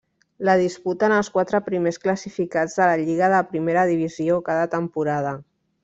La disputen els quatre primers classificats de la lliga de primera divisió cada temporada.